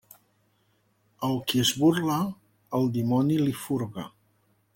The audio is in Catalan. El qui es burla, el dimoni li furga.